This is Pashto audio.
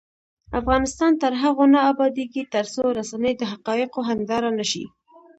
افغانستان تر هغو نه ابادیږي، ترڅو رسنۍ د حقایقو هنداره نشي.